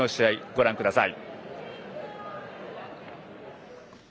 ご覧ください。